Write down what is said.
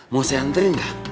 mau saya anterin gak